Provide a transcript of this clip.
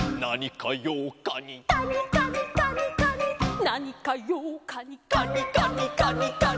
「カニカニカニカニなにかようかに」「カニカニカニカニ」